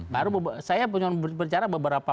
baru saya punya beberapa